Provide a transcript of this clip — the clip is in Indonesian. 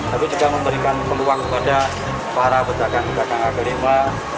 tapi juga memberikan peluang kepada para petakan petakan agerima